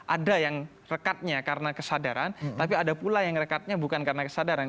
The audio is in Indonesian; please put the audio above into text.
ada yang rekatnya karena kesadaran tapi ada pula yang rekatnya bukan karena kesadaran